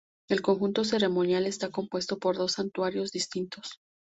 El conjunto ceremonial está compuesto por dos santuarios distintos.